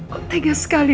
kok tinggal sekali